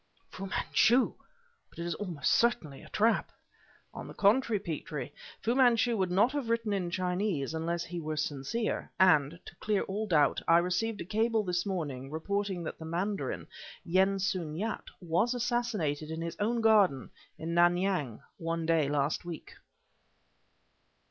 '" "Fu Manchu! But it is almost certainly a trap." "On the contrary, Petrie Fu Manchu would not have written in Chinese unless he were sincere; and, to clear all doubt, I received a cable this morning reporting that the Mandarin Yen Sun Yat was assassinated in his own garden, in Nan Yang, one day last week."